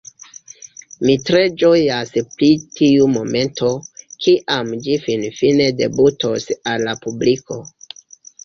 Mi tre ĝojas pri tiu momento, kiam ĝi finfine debutos al la publiko